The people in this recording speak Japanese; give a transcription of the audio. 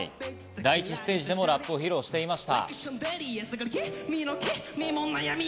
第１ステージでもラップを披露していました。